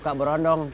mak suka berondong